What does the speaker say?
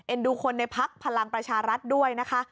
ดูคนในพักพลังประชารัฐด้วยนะคะ